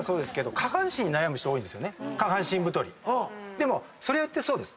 でもそれってそうです。